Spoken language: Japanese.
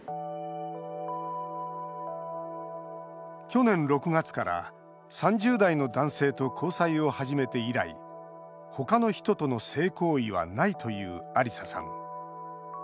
去年６月から３０代の男性と交際を始めて以来他の人との性行為はないというアリサさん。